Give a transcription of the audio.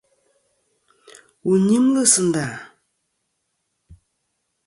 Wu nyɨmlɨ sɨ nda ?